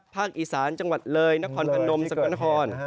ภาคอีสานจังหวัดเลยนครพนมสำกัดนคร